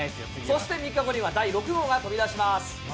そして、３日後には第６号が飛び出します。